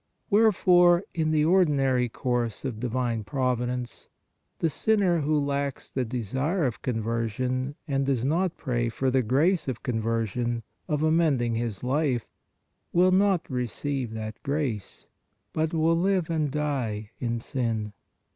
Wherefore, in the ordinary course of di vine Providence, the sinner who lacks the desire of conversion and does not pray for the grace of con 1 8 PRAYER version, of amending his life, will not receive that grace, but will live and die in sin.